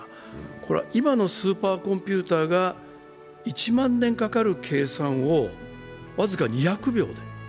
これは今のスーパーコンピューターが１万年かかる計算を僅か２００秒で。